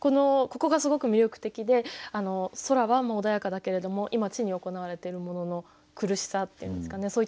ここがすごく魅力的で空は穏やかだけれども今地に行われているものの苦しさっていうんですかね